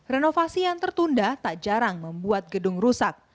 renovasi yang tertunda tak jarang membuat gedung rusak